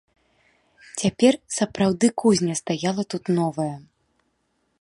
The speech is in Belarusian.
Цяпер сапраўды кузня стаяла тут новая.